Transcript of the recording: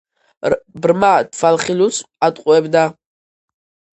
ბრმა, თვალხილულს ატყუებდა